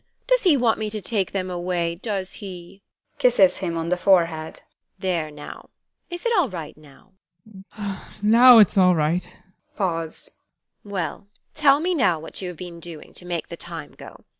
Does he want me to take them away, does he? [Kisses him on the forehead] There now! Is it all right now? ADOLPH. Now it's all right. TEKLA. Well, tell me now what you have been doing to make the time go?